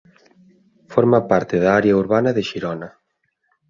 Forma parte da área urbana de Xirona.